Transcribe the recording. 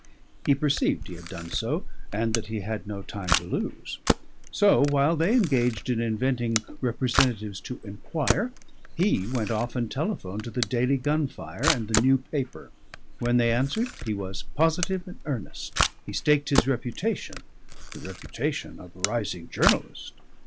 He perceived he had done so and that he had no time to lose. So while they engaged in inventing representatives to enquire, he went off and telephoned to the Daily Gunfire and the New Paper. When they answered he was positive and earnest. He staked his reputation the reputation of a rising journalist!